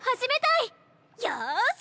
よし！